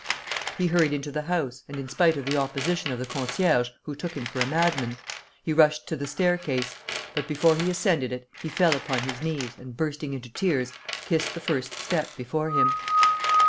He hurried into the house, and in spite of the opposition of the concierge, who took him for a madman, he rushed to the staircase; but before he ascended it he fell upon his knees, and bursting into tears, kissed the first step before him.